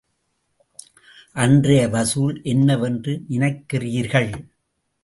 அன்றைய வசூல் என்னவென்று நினைக்கிறீர்கள்?